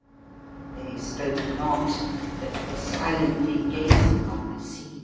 They spoke not, but were silently gazing on the sea.